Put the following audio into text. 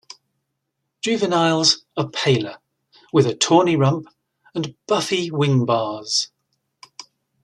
Juveniles are paler, with a tawny rump and buffy wingbars.